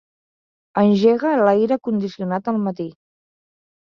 Engega l'aire condicionat al matí.